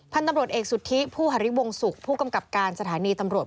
พันธุ์ตำรวจเอกสุธิผู้หาริวงศุกร์ผู้กำกับการสถานีตำรวจ